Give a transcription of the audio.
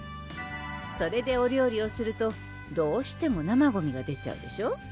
それでお料理をするとどうしても生ゴミが出ちゃうでしょ？